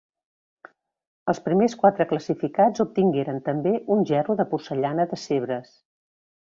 Els primers quatre classificats obtingueren també un gerro de porcellana de Sèvres.